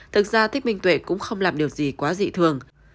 thực ra thích minh tuệ cũng không làm điều gì quá dị thường